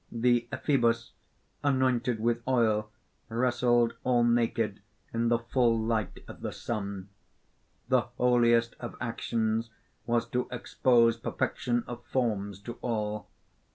The ephebus, anointed with oil, wrestled all naked in the full light of the sun. The holiest of actions was to expose perfection of forms to all.